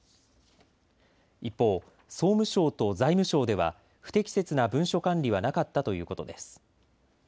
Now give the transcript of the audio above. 一方、総務省と財務省では不適切な文書管理はなかったということです。